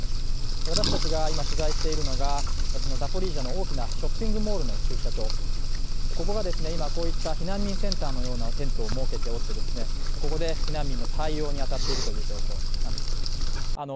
私たちが今取材しているのがザポリージャの大きなショッピングモールの駐車場、ここが避難民センターというものを設けてここで避難民の対応に当たっている状況です。